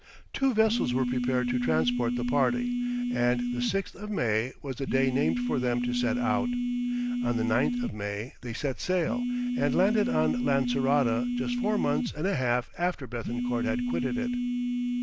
Two vessels were prepared to transport the party, and the 6th of May was the day named for them to set out. On the 9th of May they set sail, and landed on Lancerota just four mouths and a half after Béthencourt had quitted it.